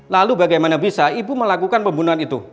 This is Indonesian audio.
lalu bagaimana bisa ibu melakukan pembunuhan itu